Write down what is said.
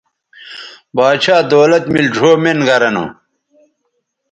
باچھا دولت میل ڙھؤ مِن گرہ نو